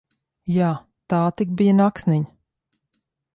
Jā, tā tik bija naksniņa!